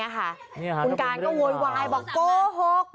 คุณการก็โวยวายบอกโกหก